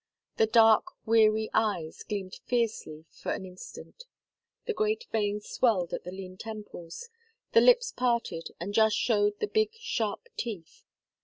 The dark, weary eyes gleamed fiercely for an instant, the great veins swelled at the lean temples, the lips parted and just showed the big, sharp teeth.